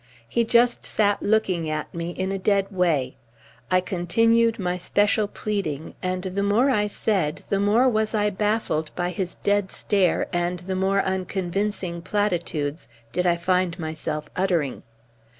He just sat looking at me in a dead way. I continued my special pleading; and the more I said, the more was I baffled by his dead stare and the more unconvincing platitudes did I find myself uttering.